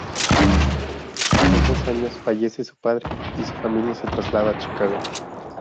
A sus dos años, fallece su padre, y su familia se traslada a Chicago.